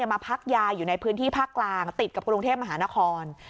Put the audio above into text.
มาพักยาอยู่ในพื้นที่ภาคกลางติดกับกรุงเทพมหานคร